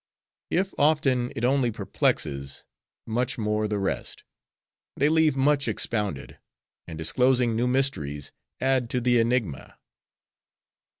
If, often, it only perplexes: much more the rest. They leave much unexpounded; and disclosing new mysteries, add to the enigma.